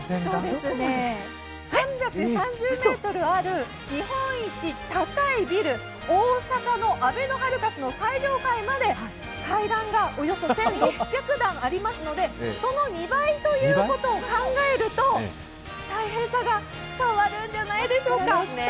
３３０ｍある日本一高いビル、大阪のあべのハルカスの最上階まで階段がおよそ１６００段ありますのでその２倍ということを考えると大変さが伝わるんじゃないでしょうか。